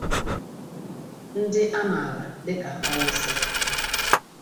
ndị a maara dịka ọlụsị.